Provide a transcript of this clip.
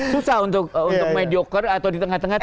susah untuk mediocar atau di tengah tengah